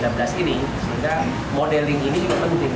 sehingga modeling ini penting